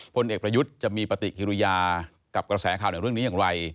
พลเอกประยุทธ์จะมีปฏิกิริยากับกระแสข่าวในเรื่องนี้อย่างไร